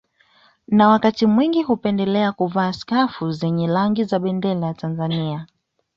Na wakati mwingi hupendelea kuvaa skafu zenye rangi za bendera ya Tanzania